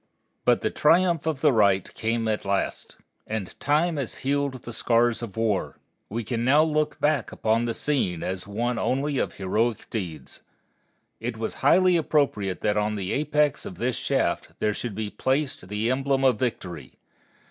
But the triumph of the right came at last. And time has healed the scars of war. We can now look back upon the scene as one only of heroic deeds. It was highly appropriate that on the apex of this shaft there should be placed the emblem of Victory.